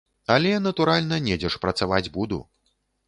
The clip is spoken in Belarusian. Але, натуральна, недзе ж працаваць буду.